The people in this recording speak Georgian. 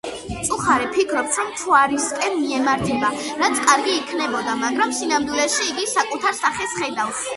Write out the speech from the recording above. მწუხარე ფიქრობს, რომ მთვარისკენ მიემართება, რაც კარგი იქნებოდა, მაგრამ სინამდვილეში იგი საკუთარ სახეს ხედავს.